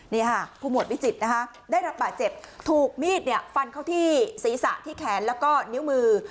นี่ค่ะผู้หมวดวิจิตรนะคะได้รับบาดเจ็บถูกมีดเนี่ยฟันเข้าที่ศีรษะที่แขนแล้วก็นิ้วมือ